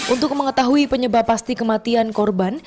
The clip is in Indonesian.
untuk mengetahui penyebab pasti kematian korban